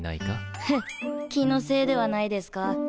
ヘッ気のせいではないですか？